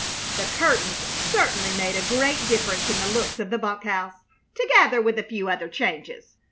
The curtains certainly made a great difference in the looks of the bunk house, together with a few other changes.